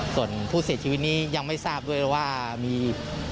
ส่วนผู้เสียชีวิตนี้ยังไม่ทราบด้วยว่ามี